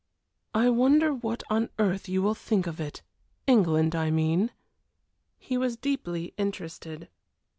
"I wonder what on earth you will think of it England, I mean?" He was deeply interested.